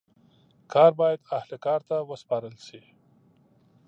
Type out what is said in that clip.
کار باید اهل کار ته وسپارل سي.